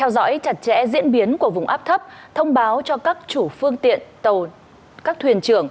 giỏi chặt chẽ diễn biến của vùng áp thấp thông báo cho các chủ phương tiện tàu các thuyền trưởng